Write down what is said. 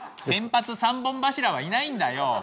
先発３本柱はいないんだよ！